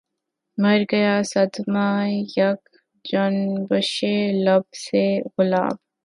مرگیا صدمہٴ یک جنبشِ لب سے غالب